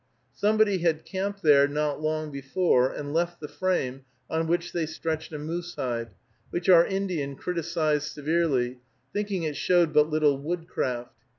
Somebody had camped there not long before, and left the frame on which they stretched a moose hide, which our Indian criticised severely, thinking it showed but little woodcraft.